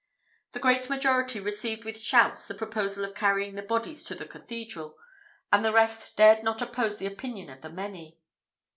The great majority received with shouts the proposal of carrying the bodies to the cathedral, and the rest dared not oppose the opinion of the many.